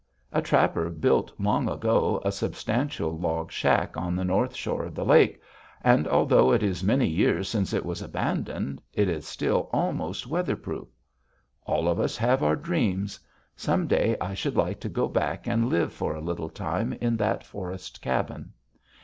A trapper built long ago a substantial log shack on the north shore of the lake, and although it is many years since it was abandoned, it is still almost weather proof. All of us have our dreams. Some day I should like to go back and live for a little time in that forest cabin.